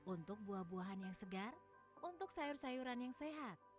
untuk buah buahan yang segar untuk sayur sayuran yang sehat